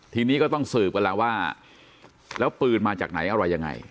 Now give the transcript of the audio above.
ทีนี้ก็ต้องสืบกันแล้วว่าแล้วปืนมาจากไหนอะไรยังไง